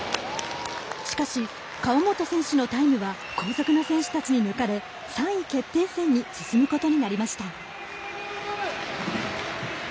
しかし川本選手のタイムは後続の選手たちに抜かれ、３位決定戦に進むことになりました。